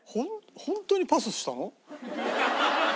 本当にパスしたの？